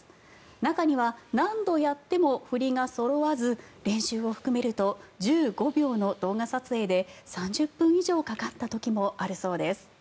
中には何度やっても振りがそろわず練習を含めると１５秒の動画撮影で３０分以上かかった時もあるそうです。